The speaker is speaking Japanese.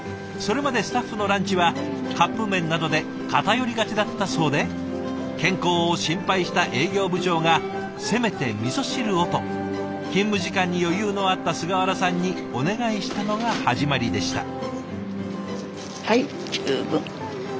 それまでスタッフのランチはカップ麺などで偏りがちだったそうで健康を心配した営業部長がせめてみそ汁をと勤務時間に余裕のあった菅原さんにお願いしたのが始まりでした。